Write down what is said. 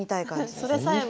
それさえも。